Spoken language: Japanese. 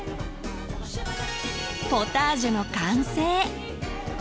ポタージュの完成！